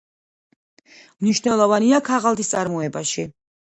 მნიშვნელოვანია ქაღალდის წარმოებაში.